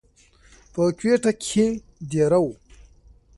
پۀ کوئټه کښې دېره وو،